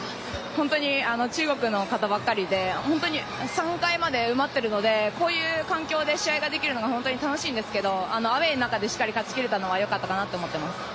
本当に中国の方ばかりで本当に、３階まで埋まっているのでこういう環境で試合ができるのが本当に楽しいんですけど、アウェーの中でしっかり勝ち切れたのはよかったかなと思います。